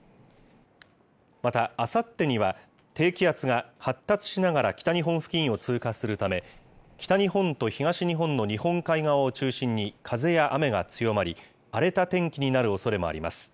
またあさってには、低気圧が発達しながら北日本付近を通過するため、北日本と東日本の日本海側を中心に風や雨が強まり、荒れた天気になるおそれもあります。